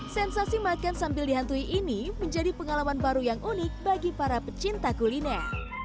sensasi makan sambil dihantui ini menjadi pengalaman baru yang unik bagi para pecinta kuliner